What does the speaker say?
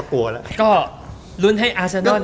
ก็๊ะลุ้นให้อัรเซโน่น